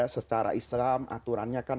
secara islam aturannya kan